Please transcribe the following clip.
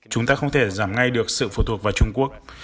chúng ta không thể giảm ngay được sự phụ thuộc vào trung quốc